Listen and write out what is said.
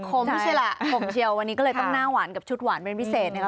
ผมไม่ใช่ล่ะผมเชียววันนี้ก็เลยต้องหน้าหวานกับชุดหวานเป็นพิเศษนะครับ